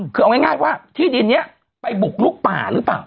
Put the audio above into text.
คือเอาง่ายว่าที่ดินนี้ไปบุกลุกป่าหรือเปล่า